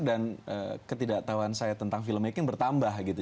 dan ketidaktahuan saya tentang filmmaking bertambah gitu